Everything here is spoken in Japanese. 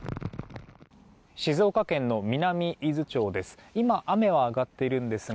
静岡県の南伊豆町です。